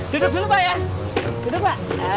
duduk dulu pak ya duduk pak